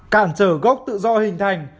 cản trở gốc tự do hình thành